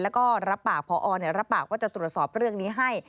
แล้วก็รับปากพอรับปากว่าจะตรวจสอบเรื่องนี้ให้